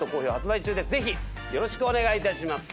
ぜひよろしくお願いいたします。